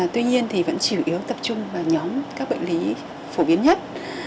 tuy nhiên thì vẫn chủ yếu tập trung vào nhóm các bệnh lý phổ biến nhất